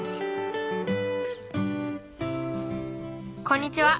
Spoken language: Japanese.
こんにちは。